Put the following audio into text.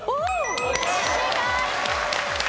正解。